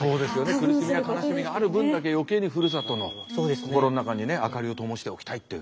苦しみや悲しみがある分だけ余計にふるさとの心の中にね明かりをともしておきたいっていう。